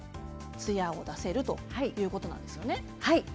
つやを出せるということなんですね。